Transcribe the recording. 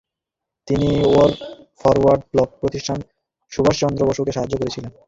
তিনি ফরওয়ার্ড ব্লক প্রতিষ্ঠায় সুভাষচন্দ্র বসুকে সাহায্য করেছিলেন।